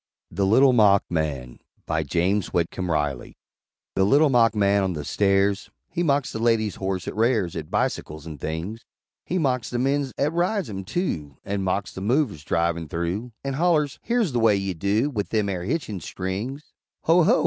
THE LITTLE MOCK MAN BY JAMES WHITCOMB RILEY The Little Mock man on the Stairs He mocks the lady's horse 'at rares At bi sickles an' things, He mocks the mens 'at rides 'em, too; An' mocks the Movers, drivin' through, An' hollers "Here's the way you do With them air hitchin' strings!" "Ho! ho!"